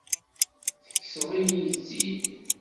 Tekkseḍ-iyi-tt-id.